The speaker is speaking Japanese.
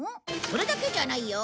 それだけじゃないよ。